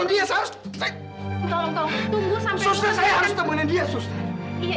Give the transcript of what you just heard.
insya allah evita